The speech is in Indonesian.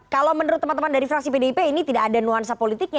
kalau menurut teman teman dari fraksi pdip ini tidak ada nuansa politiknya